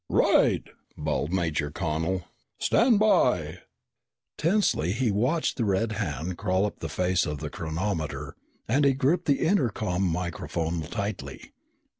"Right!" bawled Major Connel. "Stand by!" Tensely he watched the red hand crawl up the face of the chronometer and he gripped the intercom microphone tightly.